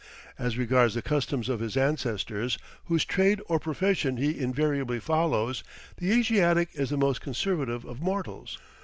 As regards the customs of his ancestors, whose trade or profession he invariably follows, the Asiatic is the most conservative of mortals.